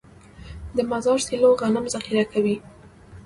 د مزار سیلو غنم ذخیره کوي.